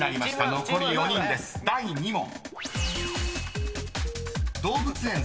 ［第２問］